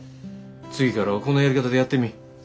次からはこのやり方でやってみ。